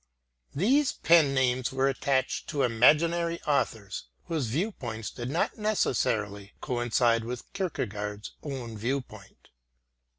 These pen names were attached to imaginary authors whose viewpoints did not necessarily coincide with Kierkegaard's own viewpoint.